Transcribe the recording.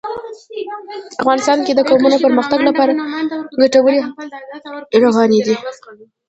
افغانستان کې د قومونه د پرمختګ لپاره ګټورې هڅې روانې دي.